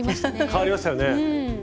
変わりましたよね。